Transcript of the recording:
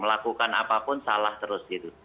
melakukan apapun salah terus gitu